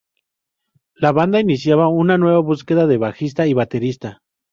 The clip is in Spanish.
La banda iniciaba una nueva búsqueda de bajista y baterista.